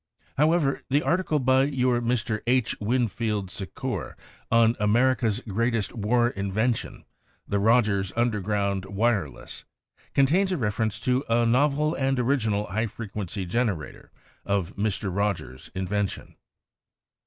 However, the article by your Mr. H. Winfield Secor on "America's Great est War Invention — The Rogers Under ground Wireless" contains a reference to "a novel and original high frequency gener ator" of Mr. Rogers' invention.